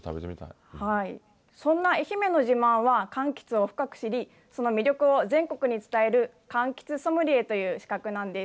そんな愛媛の自慢は、かんきつを深く知り、その魅力を全国に伝える柑橘ソムリエという資格なんです。